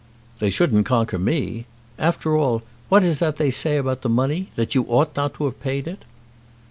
"They shouldn't conquer me! After all, what is it that they say about the money? That you ought not to have paid it?"